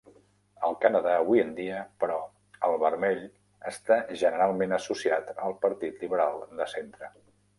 Al Canadà avui en dia, però, el vermell està generalment associat al Partit Liberal de centre.